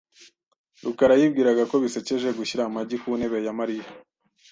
rukara yibwiraga ko bisekeje gushyira amagi ku ntebe ya Mariya .